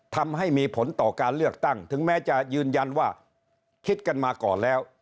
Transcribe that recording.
ทำให้มีผลต่อการเลือกตั้งถึงแม้จะยืนยันว่าคิดกันมาก่อนแล้ว